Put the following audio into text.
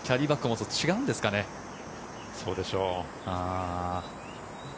そうでしょう。